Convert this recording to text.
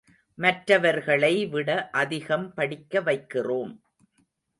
மற்றவர்களை விட அதிகம் படிக்க வைக்கிறோம்.